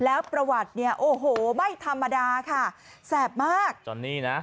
แล้วประวัติเนี่ยโอ้โหไม่ธรรมดาค่ะแสบมากจอนนี่นะ